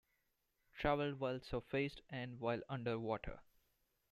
Traveled while surfaced and while under water.